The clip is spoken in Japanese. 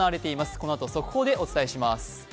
このあと速報でお伝えします。